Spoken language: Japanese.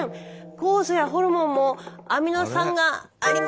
「酵素やホルモンもアミノ酸がありませんよ」。